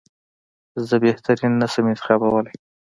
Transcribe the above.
زه بهترین نه شم انتخابولای.